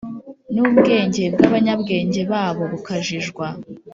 n’ubwenge bw’abanyabwenge babo bukajijwa.»